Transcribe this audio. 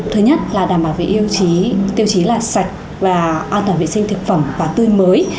thứ nhất là đảm bảo về tiêu chí tiêu chí là sạch và an toàn vệ sinh thực phẩm và tươi mới